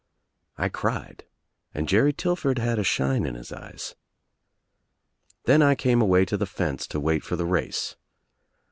I cried and Jerry Tillford had a shine in his eyes. Then I came away to the fence to wait for the race.